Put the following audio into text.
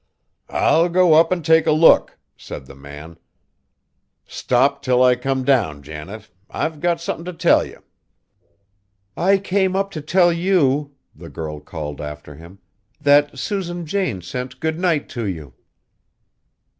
"I'll go up an' take a look!" said the man; "stop till I come down, Janet, I've got somethin' t' tell ye." "I came up to tell you," the girl called after him, "that Susan Jane sent good night to you."